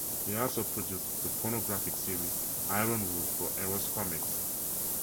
He also produced the pornographic series "Ironwood" for Eros Comix.